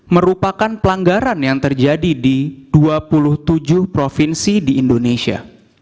merupakan pelanggaran yang terjadi di dua puluh tujuh provinsi di indonesia